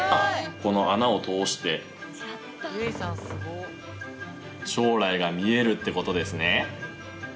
この穴を通して将来が見えるってことですね。